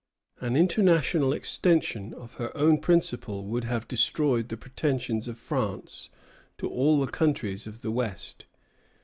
An international extension of her own principle would have destroyed the pretensions of France to all the countries of the West.